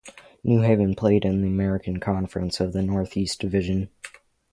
New Haven played in the American Conference of the Northeast Division.